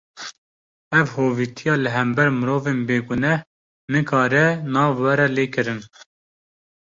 Ev hovîtiya li hember mirovên bêguneh, nikare nav were lê kirin